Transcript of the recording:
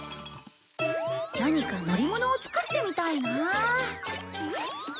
何か乗り物を作ってみたいな。